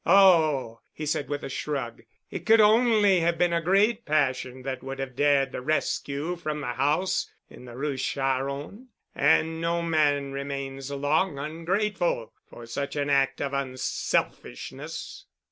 "Oh," he said, with a shrug, "it could only have been a great passion that would have dared the rescue from the house in the Rue Charron. And no man remains long ungrateful for such an act of unselfishness."